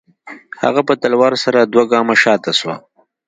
هغه په تلوار سره دوه گامه شاته سوه.